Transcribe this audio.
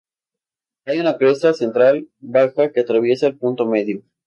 Hay una cresta central baja que atraviesa el punto medio.